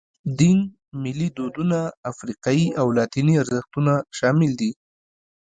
دین، ملي دودونه، افریقایي او لاتیني ارزښتونه شامل دي.